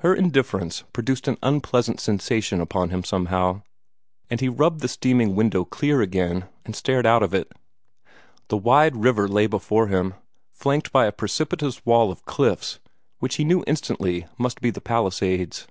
Her indifference produced an unpleasant sensation upon him somehow, and he rubbed the steaming window clear again, and stared out of it. The wide river lay before him, flanked by a precipitous wall of cliffs which he knew instantly must be the Palisades.